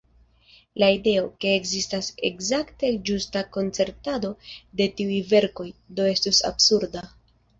La ideo, ke ekzistas ekzakte ĝusta koncertado de tiuj verkoj, do estus absurda.